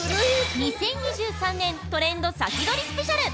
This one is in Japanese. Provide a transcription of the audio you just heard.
◆２０２３年トレンド先取りスペシャル！